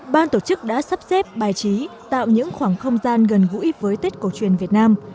ban tổ chức đã sắp xếp bài trí tạo những khoảng không gian gần gũi với tết cổ truyền việt nam